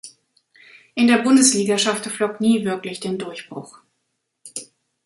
In der Bundesliga schaffte Flock nie wirklich den Durchbruch.